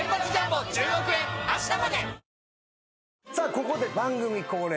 ここで番組恒例